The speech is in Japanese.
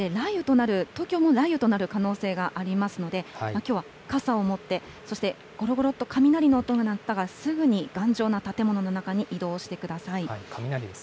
東京も雷雨となる可能性がありますのできょうは傘を持ってそして雷の音が鳴ったら、すぐに頑丈な建物の中に移動してください。